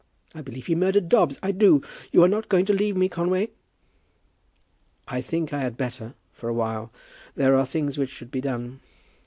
I believe he murdered Dobbs; I do. You are not going to leave me, Conway?" "I think I had better, for a while. There are things which should be done.